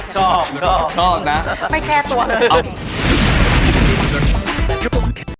ชอบชอบชอบนะไม่แค่ตัว